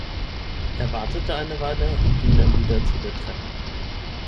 Er wartete eine Weile und ging dann wieder zu der Treppe.